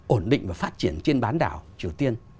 ổn định và phát triển trên bán đảo triều tiên